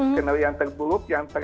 skenario yang terburuk yang ter